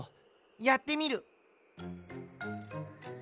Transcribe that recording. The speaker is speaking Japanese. やってみる。